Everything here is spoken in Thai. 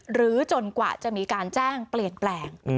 จนกว่าจะมีการแจ้งเปลี่ยนแปลง